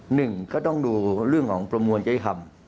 หนึ่งก็ต้องดูเรื่องของประมวลจ้อยคำ